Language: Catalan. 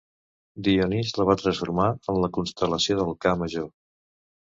Dionís la va transformar en la constel·lació del Ca Major.